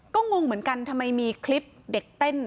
ก็งงเหมือนกันทำไมมีคลิปเด็กเต้น